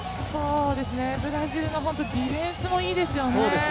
ブラジルのディフェンスもいいですよね。